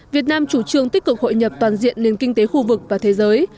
việt nam chủ trương tích cực hội nhập toàn diện nền kinh tế khu vực và thế giới